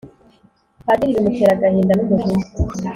padiri bimutera agahinda n'umujinya,